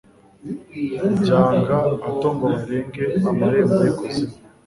byanga hato ngo barenge amarembo y’ikuzimu